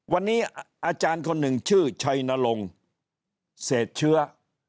วันนี้อาจารย์คนหนึ่งชื่อชัยนรงค์เศษเชื้อ